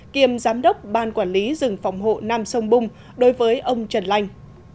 kiêm giám đốc ban quản lý rừng phòng hộ nam sông bung đối với ông trần lanh